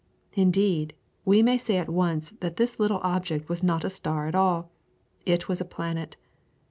Indeed, we may say at once that this little object was not a star at all; it was a planet.